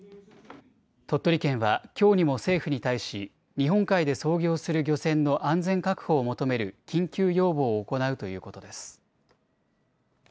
鳥取県はきょうにも政府に対し日本海で操業する漁船の安全確保を求める緊急要望を行うということです。